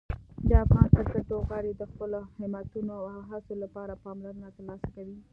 د افغان کرکټ لوبغاړي د خپلو همتونو او هڅو لپاره پاملرنه ترلاسه کوي.